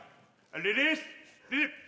リリース。